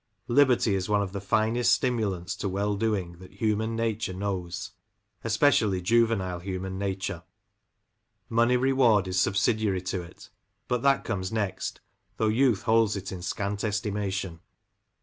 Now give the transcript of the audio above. Liberty is one of the finest stimulants to well doing that, human nature knows, especially juvenile human nature ; money reward is subsidiary to it, but that comes next, though youth holds it in scant estimation.